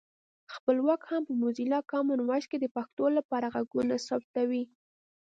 خپلواک هم په موزیلا کامن وایس کې د پښتو لپاره غږونه ثبتوي